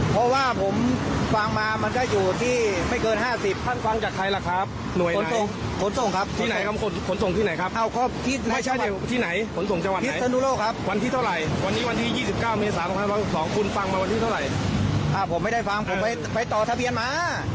ผมฟังมาวันที่เท่าไหร่อ้าผมไม่ได้ฟังผมไปต่อทะเบียนมา